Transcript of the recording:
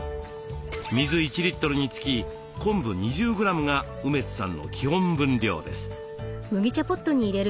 水１リットルにつき昆布２０グラムが梅津さんの基本分量です。